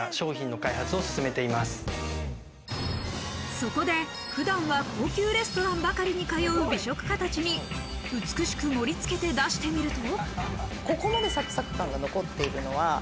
そこで普段は高級レストランばかりに通う美食家たちに美しく盛り付けて出してみると。